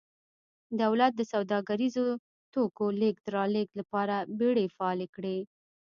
دولت د سوداګریزو توکو لېږد رالېږد لپاره بېړۍ فعالې کړې